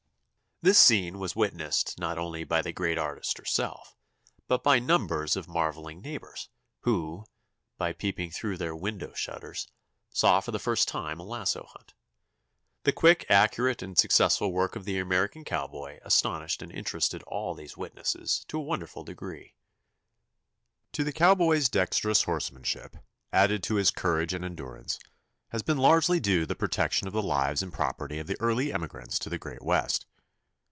This scene was witnessed not only by the great artist herself but by numbers of marveling neighbors, who, by peeping through their window shutters, saw for the first time a lasso hunt. The quick, accurate, and successful work of the American cowboy astonished and interested all these witnesses to a wonderful degree. To the cowboy's dexterous horsemanship, added to his courage and endurance, has been largely due the protection of the lives and property of the early emigrants to the great West.